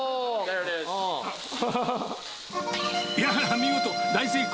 見事、大成功。